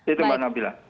itu mbak nabilah